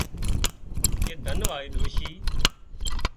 ڪي ڌن واۯي ڏوشي